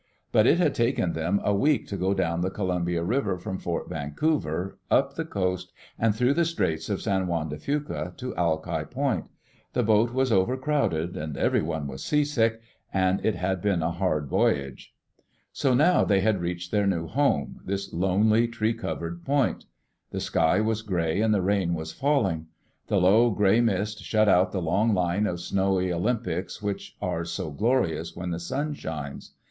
But it had taken them a week to go down the Columbia River from Fort Van couver, up the coast, and through the Straits of San Juan de Fuca to Alki Point. The boat was overcrowded and everyone seasick, and it had been a hard voyage. So now they had reached their new home — this lonely, Digitized by CjOOQ IC EARLY ADVENTURES IN SEATTLE tree covered point. The sky was gray and the rain was falling. The low, gray mist shut out the long line of snowy Olympics which are so glorious when the sun shines.